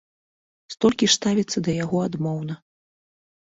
Столькі ж ставіцца да яго адмоўна.